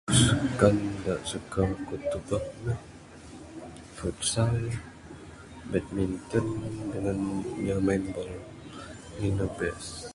Sukan da' suka ku' tubuk ne, futsal, badminton dengan nya main ball. Ngin ne best.